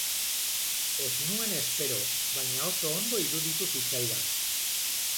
Ez nuen espero, baina oso ondo iruditu zitzaidan.